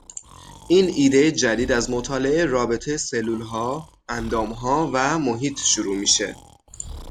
این ایده جدید از مطالعه رابطه سلولها، اندامها و محیط شروع میشه.